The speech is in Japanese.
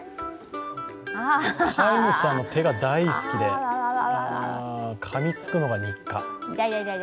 飼い主さんの手が大好きで、かみつくのが日課。